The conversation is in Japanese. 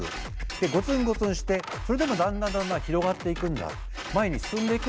ゴツンゴツンしてそれでもだんだんだんだん広がっていくんだ前に進んでいくんだ。